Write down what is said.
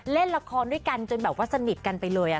เล่นละครด้วยกันจนแบบว่าสนิทกันไปเลย